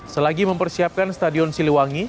selagi mempersiapkan stadion siliwangi